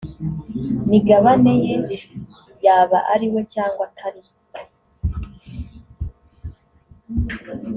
migabane ye yaba ari we cyangwa atari